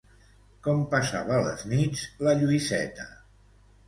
Com passava les nits la Lluïseta?